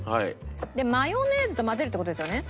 マヨネーズと混ぜるって事ですよね？